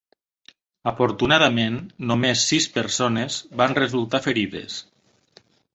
Afortunadament, només sis persones van resultar ferides.